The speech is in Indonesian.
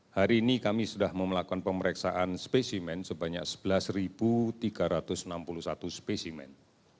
hari ini kami sudah memelakukan pemeriksaan spesimen sebanyak sebelas tiga ratus enam puluh satu spesimen